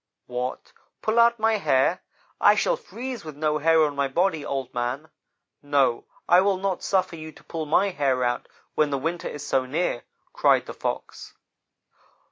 "'What! Pull out my hair? I shall freeze with no hair on my body, Old man. No I will not suffer you to pull my hair out when the winter is so near,' cried the Fox.